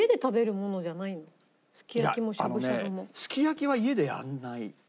いやあのねすき焼きは家でやらない。